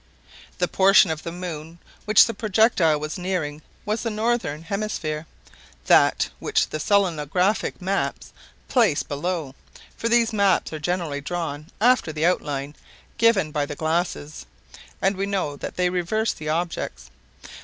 The portion of the moon which the projectile was nearing was the northern hemisphere, that which the selenographic maps place below; for these maps are generally drawn after the outline given by the glasses, and we know that they reverse the objects.